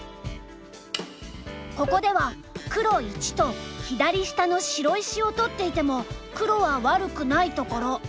ここでは黒①と左下の白石を取っていても黒は悪くないところ。